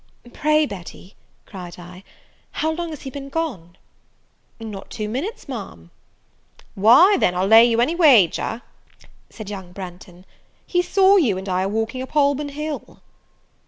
"Pray, Betty," cried I, "how long has he been gone?" "Not two minutes, Ma'am." "Why then, I'll lay you any wager, "said young Branghton, "he saw you and I a walking up Holborn Hill."